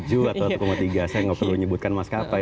saya tidak perlu menyebutkan maskapai